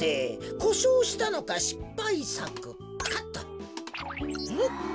こしょうしたのかしっぱいさくかと。